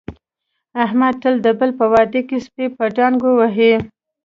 احمد تل د بل په واده کې سپي په ډانګو وهي.